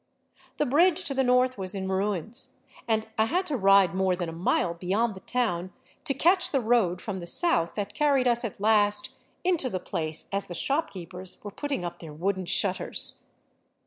The bridge to the north was in ruins, and I had to ride more than a mile beyond the town to catch the road from the south that carried us at last into the place as the shopkeepers were putting up 297 VAGABONDING DOWN THE ANDES their wooden shutters.